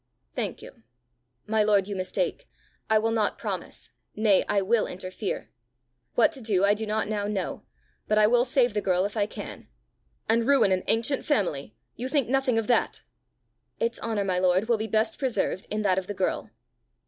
"Thank you." "My lord, you mistake. I will not promise. Nay, I will interfere. What to do, I do not now know; but I will save the girl if I can." "And ruin an ancient family! You think nothing of that!" "Its honour, my lord, will be best preserved in that of the girl."